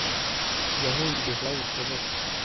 Yahunze vuba bishoboka.